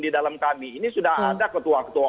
di dalam kami ini sudah ada ketua ketua